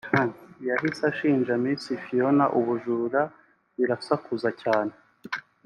yahise ashinja Miss Phiona ubujura birasakuza cyane